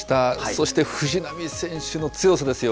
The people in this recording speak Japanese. そして藤波選手の強さですよ。